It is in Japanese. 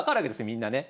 みんなね。